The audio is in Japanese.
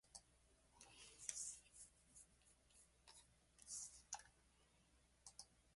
おわかりになりましたか、ご主人。これが腹話術というものです。口を少しも動かさないでものをいう術です。